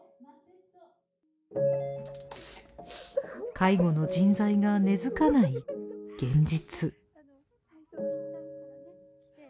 介護の人材が根付かない現実。